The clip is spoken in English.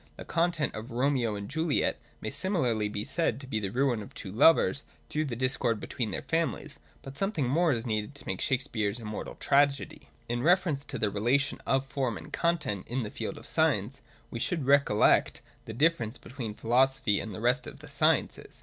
The content of Romeo and Juliet may similarly be said to be the ruin of two lovers through the discord between their families : but something more is needed to make Shakespeare's immortal tragedy. In reference to the relation of form and content in the field of science, we should recollect the difference between philosophy and the rest of the sciences.